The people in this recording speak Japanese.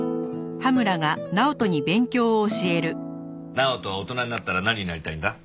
直人は大人になったら何になりたいんだ？